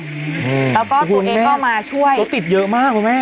แล้วก็ตัวเองก็มาช่วยรถติดเยอะมากคุณแม่